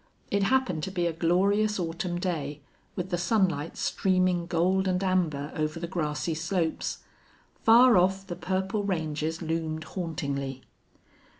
It happened to be a glorious autumn day, with the sunlight streaming gold and amber over the grassy slopes. Far off the purple ranges loomed hauntingly.